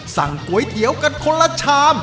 สั่งก๋วยเตี๋ยวกันคนละชาม